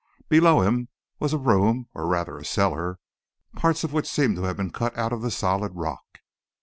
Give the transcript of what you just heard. Below him was a room, or rather a cellar, parts of which seemed to have been cut out of the solid rock.